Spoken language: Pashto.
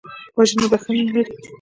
وژنه بښنه نه لري